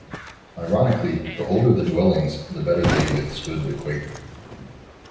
Ironically, the older the dwellings, the better they withstood the quake.